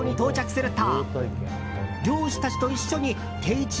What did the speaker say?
すると。